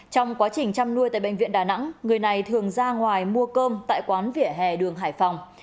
trong quá trình chăm nuôi tại bệnh viện đà nẵng người này thường ra ngoài mua cơm tại quán vỉa hè đường hải phòng